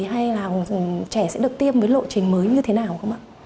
hay là trẻ sẽ được tiêm với lộ trình mới như thế nào không ạ